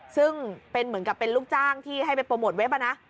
ซึ่งเป็นเหมือนกับเป็นลูกจ้างที่ให้ไปโปรโมทเว็บอะนะ